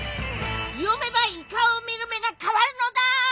読めばイカを見る目が変わるのだ！